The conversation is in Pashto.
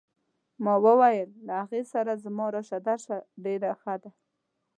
ما وویل له هغې سره زما راشه درشه ډېره ښه ده.